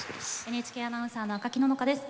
ＮＨＫアナウンサーの赤木野々花です。